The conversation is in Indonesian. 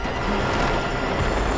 aku akan menghina kau